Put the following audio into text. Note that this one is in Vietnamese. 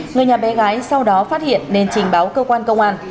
người nhà bé gái sau đó phát hiện nên trình báo cơ quan công an